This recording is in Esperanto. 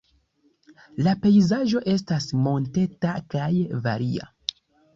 La pejzaĝo estas monteta kaj varia.